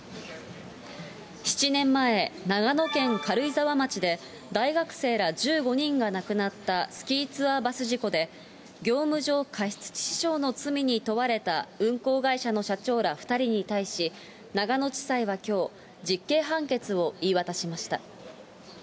７年前、長野県軽井沢町で、大学生ら１５人が亡くなったスキーツアーバス事故で、業務上過失致死傷の罪に問われた運行会社の社長ら２人に対し、長野地裁はきょう、実刑判決を言い渡しました。